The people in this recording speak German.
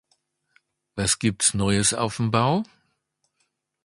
Was gibt's neues auf'm Bau?